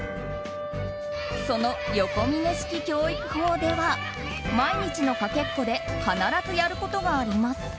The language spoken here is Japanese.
そのヨコミネ式教育法では毎日のかけっこで必ずやることがあります。